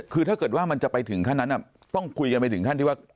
คือถ้าเกิดว่ามันจะไปถึงขั้นนั้นต้องคุยกันไปถึงขั้นที่ว่า